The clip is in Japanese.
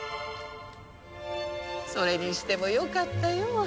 それにしてもよかったよ。